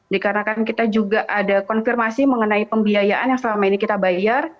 dikarenakan kita juga ada konfirmasi mengenai pembiayaan yang selama ini kita bayar